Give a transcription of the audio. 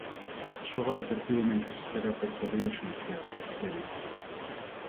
Xoga o Deportivo mentres espera o percorrido xudicial, Terio.